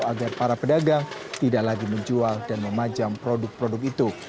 agar para pedagang tidak lagi menjual dan memajang produk produk itu